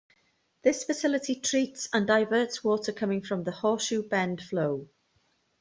This facility treats and diverts water coming from the Horseshoe Bend flow.